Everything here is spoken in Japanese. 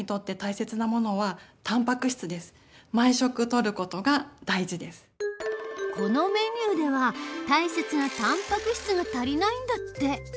しかしどうしてもこのメニューでは大切なたんぱく質が足りないんだって。